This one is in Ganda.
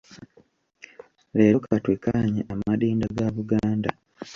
Leero ka twekkaanye amadinda ga Buganda.